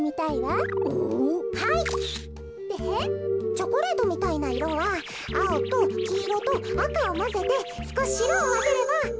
チョコレートみたいないろはあおときいろとあかをまぜてすこししろをまぜれば。